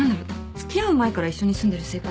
付き合う前から一緒に住んでるせいかな？